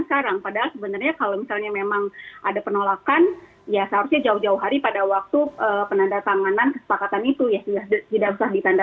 saya pikir batalnya indonesia menjadi tuan rumah piala